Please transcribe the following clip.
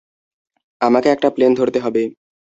আমাকে একটা প্লেন ধরতে হবে!